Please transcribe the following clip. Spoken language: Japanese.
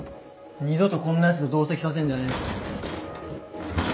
二度とこんなヤツと同席させんじゃねえぞ。